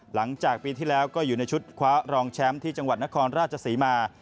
หลังจากปีที่แล้วก็อยู่ในชุดคว้ารองแชมป์ที่จังหวัดนครราชศรีมา